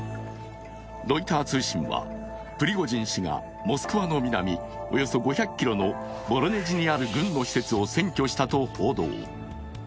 ロイター通信はプリゴジン氏がモスクワの南およそ５００ｋｍのボロネジにある軍の施設を占拠したと報道。